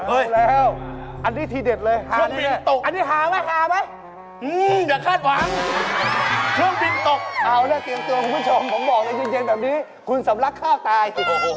เอาแล้วอันนี้ทีเด็ดเลย